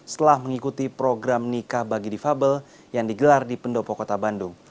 setelah mengikuti program nikah bagi difabel yang digelar di pendopo kota bandung